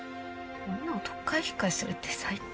女をとっかえひっかえするって最低。